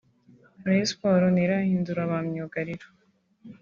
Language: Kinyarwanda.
Rayon Sports ntirahindura ba myugariro